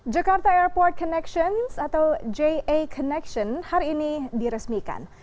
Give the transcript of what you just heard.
jakarta airport connections atau ja connection hari ini diresmikan